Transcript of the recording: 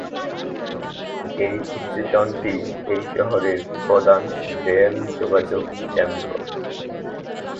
এই স্টেশনটি এই শহরের প্রধান রেল যোগাযোগ কেন্দ্র।